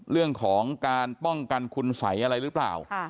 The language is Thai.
เรื่องของการป้องกันคุณสัยอะไรหรือเปล่า